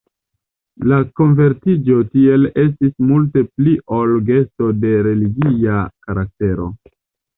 La konvertiĝo tiel estis multe pli ol gesto de religia karaktero.